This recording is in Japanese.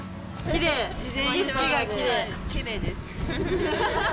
きれいです。